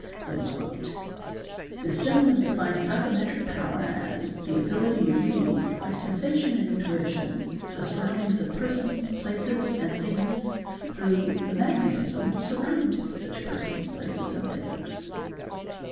'"' This gentleman defines psychometric power as 'the ability to read, by sensa _ tion and intuition, the surroundings of persons, places, and things through the magnetism which surrounds such persons, places, and things.